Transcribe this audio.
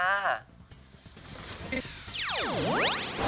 สันติกส